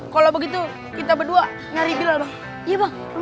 kalau begitu kita berdua nyari pilal bang